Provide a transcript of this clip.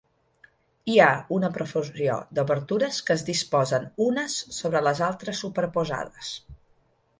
Hi ha una profusió d'obertures que es disposen unes sobre les altres superposades.